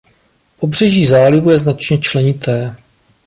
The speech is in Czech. Pobřeží zálivu je značně členité.